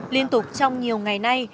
liên tục trong nhiều ngày nay